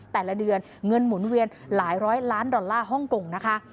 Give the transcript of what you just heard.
แต่ละเดือนเงินหมุนเวียนหลายร้อยล้านดอลลาร์ฮ่องกงนะคะ